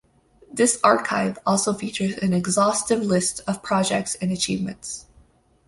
This archive also features an exhaustive list of projects and achievements.